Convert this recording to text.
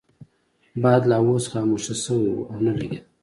باد لا اوس خاموشه شوی وو او نه لګیده.